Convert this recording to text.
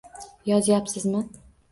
Yozayapsizmi